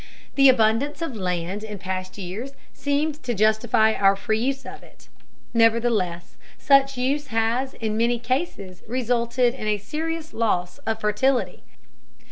The abundance of land in past years seemed to justify our free use of it, nevertheless such use has in many cases resulted in a serious loss of fertility.